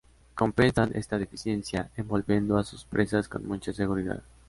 Compensan esta deficiencia envolviendo a sus presas con mucha seguridad.